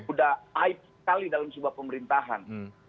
udah aib sekali dalam sebuah pemerintahan